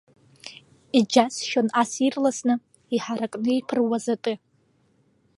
Иџьасшьон ас ирласны, иҳаракны иԥыруаз аты.